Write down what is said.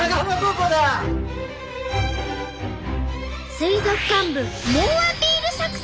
水族館部猛アピール作戦！